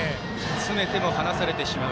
詰めても離されてしまう